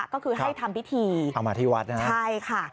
ก็คือให้ทำพิธีเอามาที่วัดนะฮะใช่ค่ะ